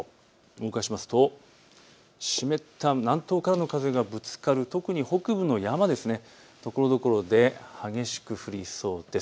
動かしますと湿った南東からの風がぶつかる特に北部の山、ところどころで激しく降りそうです。